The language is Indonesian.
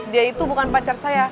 dia itu bukan pacar saya